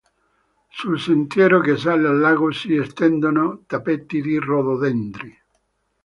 Sul sentiero che sale al lago si estendono tappeti di rododendri